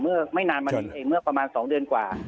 เมื่อไม่นานมานี้เองเมื่อประมาณ๒เดือนกว่า